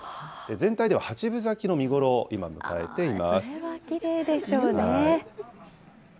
全体では８分咲きの見頃を、今、迎えています。